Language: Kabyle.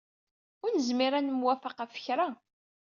Ur nezmir ad nemwafaq ɣef kra.